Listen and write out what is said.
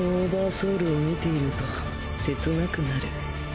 ソウルを見ていると切なくなる。